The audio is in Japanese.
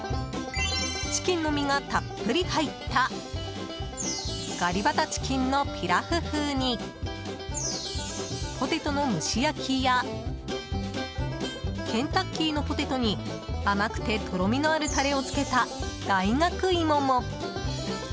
チキンの身がたっぷり入ったガリバタチキンのピラフ風にポテトの蒸し焼きやケンタッキーのポテトに甘くてとろみのあるタレをつけた大学芋も。